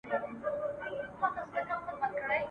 د ده په اشعارو کي پروت دی !.